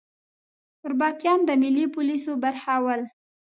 اربکیان د ملي پولیسو برخه ول